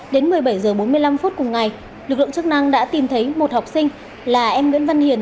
đến một mươi bảy h bốn mươi năm cùng ngày lực lượng chức năng đã tìm thấy một học sinh là em nguyễn văn hiền